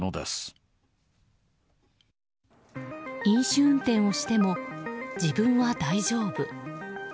飲酒運転をしても自分は大丈夫。